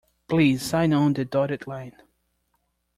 Please sign on the dotted line.